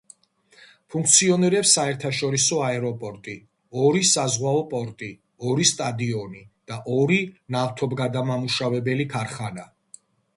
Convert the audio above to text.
ფუნქციონირებს საერთაშორისო აეროპორტი, ორი საზღვაო პორტი, ორი სტადიონი და ორი ნავთობგადამამუშავებელი ქარხანა.